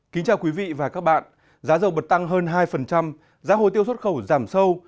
kính chào quý vị và các bạn giá dầu bật tăng hơn hai giá hồi tiêu xuất khẩu giảm sâu